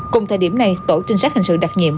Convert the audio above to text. cùng thời điểm này tổ trinh sát hình sự đặc nhiệm